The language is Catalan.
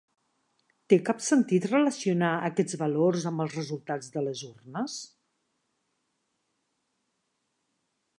¿Té cap sentit relacionar aquests valors amb els resultats de les urnes?